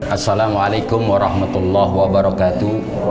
assalamualaikum warahmatullahi wabarakatuh